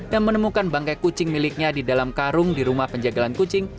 dan menemukan bangkai kucing miliknya di dalam karung di rumah penjagalan kucing